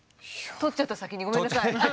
取っちゃった先にごめんなさい。